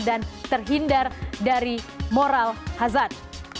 terhindar dari moral hazard